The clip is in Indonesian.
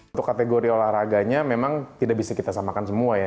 untuk kategori olahraganya memang tidak bisa kita samakan semua ya